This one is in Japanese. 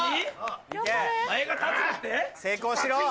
成功しろ。